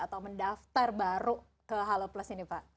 atau mendaftar baru ke halo plus ini pak